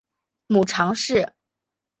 母常氏。